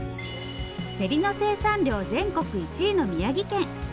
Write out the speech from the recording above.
せりの生産量全国１位の宮城県。